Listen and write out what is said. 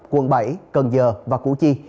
quận bảy cần giờ và củ chi